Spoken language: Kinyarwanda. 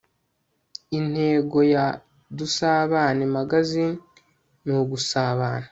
Intego ya Dusabane Magazine ni ugusabana